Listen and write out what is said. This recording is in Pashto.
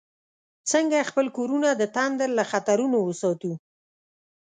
څنګه خپل کورونه د تندر له خطرونو وساتو؟